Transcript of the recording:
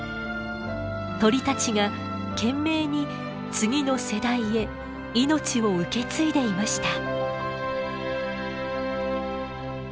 鳥たちが懸命に次の世代へ命を受け継いでいました。